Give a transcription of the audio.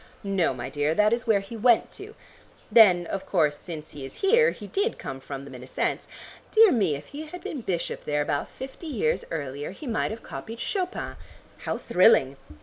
"No, my dear, that is where he went to; then of course since he is here he did come from them in a sense. Dear me, if he had been bishop there about fifty years earlier, he might have copied Chopin. How thrilling!"